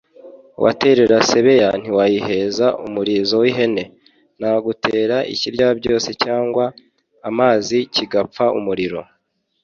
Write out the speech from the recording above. Waterera Sebeya ntiwayiheza-Umurizo w'ihene. Nagutera ikiryabyose cyanywa amazi kigapfa-Umuriro.